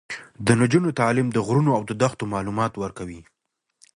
د نجونو تعلیم د غرونو او دښتو معلومات ورکوي.